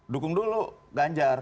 dukung dulu ganjar